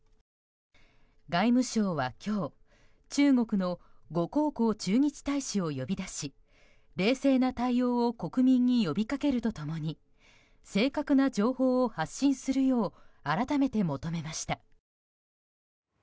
外務省は今日、中国のゴ・コウコウ駐日大使を呼び出し冷静な対応を国民に呼びかけると共に正確な情報を発信するよう改めて求めました。